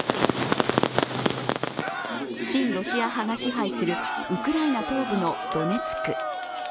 親ロシア派が支配するウクライナ東部のドネツク。